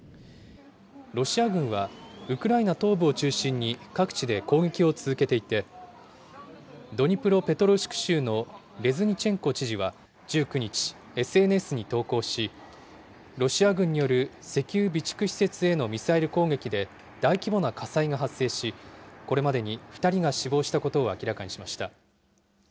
ロシア軍は、ウクライナ東部を中心に各地で攻撃を続けていて、ドニプロペトロウシク州のレズニチェンコ知事は１９日、ＳＮＳに投稿し、ロシア軍による石油備蓄施設へのミサイル攻撃で、大規模な火災が発生し、これまでに２人が死亡したことを明らかにしました。